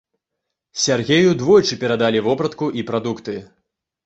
Сяргею двойчы перадалі вопратку і прадукты.